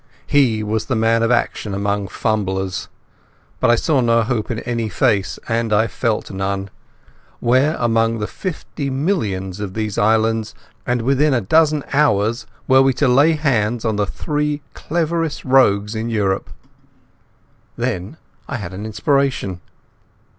He was the man of action among fumblers. But I saw no hope in any face, and I felt none. Where among the fifty millions of these islands and within a dozen hours were we to lay hands on the three cleverest rogues in Europe? Then suddenly I had an inspiration.